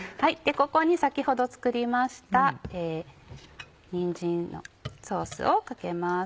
ここに先ほど作りましたにんじんのソースをかけます。